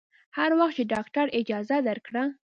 هر وخت چې ډاکتر اجازه درکړه.